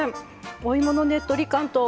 お芋のねっとり感と。